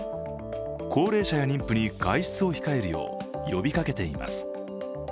高齢者や妊婦に外出を控えるよう呼びかけています。